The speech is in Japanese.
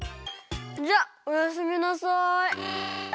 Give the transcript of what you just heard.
じゃおやすみなさい。